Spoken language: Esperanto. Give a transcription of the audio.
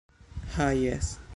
Ha jes...